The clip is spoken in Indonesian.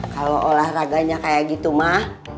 kalau olahraganya kayak gitu mah